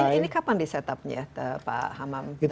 ini kapan di set up nya pak hamam